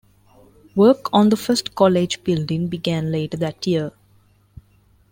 Work on the first college building began later that year.